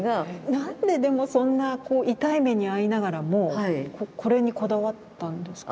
何ででもそんな痛い目に遭いながらもこれにこだわったんですか？